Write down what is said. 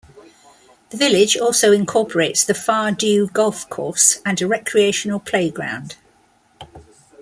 The village also incorporates the Fardew golf course and a recreational playground.